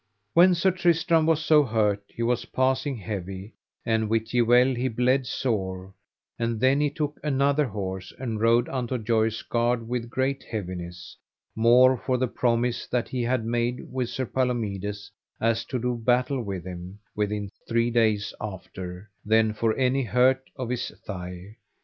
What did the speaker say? When Sir Tristram was so hurt he was passing heavy, and wit ye well he bled sore; and then he took another horse, and rode unto Joyous Gard with great heaviness, more for the promise that he had made with Sir Palomides, as to do battle with him within three days after, than for any hurt of his thigh.